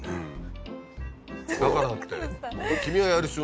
だからって。